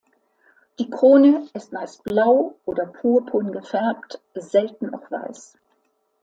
Die Krone ist meist blau oder purpurn gefärbt, selten auch weiß.